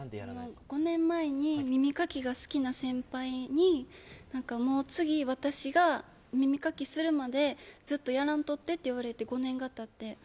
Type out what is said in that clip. ５年前に耳かきが好きな先輩にもう、次、私が耳かきするまでずっとやらんとってって言われて５年が経って。